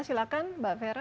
silakan mbak vera